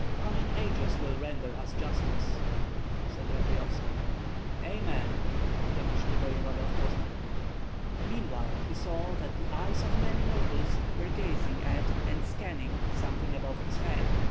"Coming ages will render us justice," said Radzeyovski. "Amen!" finished the voevoda of Poznan. Meanwhile he saw that the eyes of many nobles were gazing at and scanning something above his head.